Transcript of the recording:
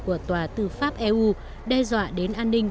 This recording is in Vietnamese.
của tòa tư pháp eu đe dọa đến an ninh